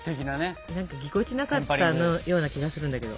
なんかぎこちなかったような気がするんだけど。